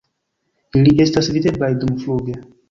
Ili estas videblaj dumfluge.